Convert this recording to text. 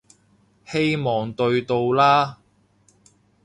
希望對到啦